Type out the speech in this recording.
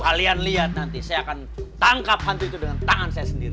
kalian lihat nanti saya akan tangkap hantu itu dengan tangan saya sendiri